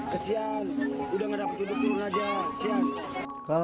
kesian udah nggak dapat duduk turun aja